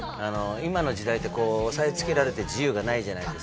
今の時代って抑えつけられて自由がないじゃないですか。